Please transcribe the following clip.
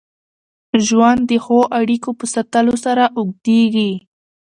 ژوند د ښو اړیکو په ساتلو سره اوږدېږي.